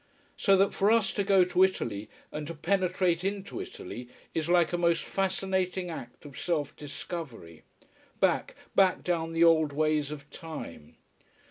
So that for us to go to Italy and to penetrate into Italy is like a most fascinating act of self discovery back, back down the old ways of time.